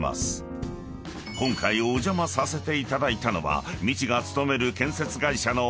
［今回お邪魔させていただいたのは］